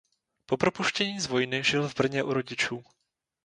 Po propuštění z vojny žil v Brně u rodičů.